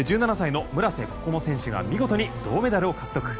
１７歳の村瀬心椛選手が見事に銅メダルを獲得。